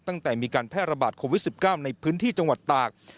ตั้งแต่มีการแพร่ระบาดโควิด๑๙ในพื้นที่จังหวัดตาก